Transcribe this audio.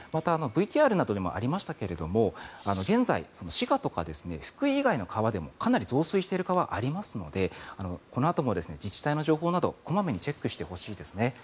また、ＶＴＲなどでもありましたが現在、滋賀とか福井以外の川でもかなり増水している川がありますのでこのあとも自治体の情報などを小まめにチェックしてほしいですね。